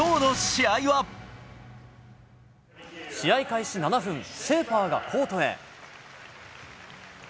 試合開始７分、シェーファーがコートへ。